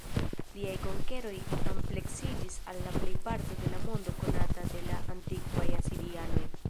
Liaj konkeroj ampleksiĝis al la plejparto de la mondo konata de la antikvaj asirianoj.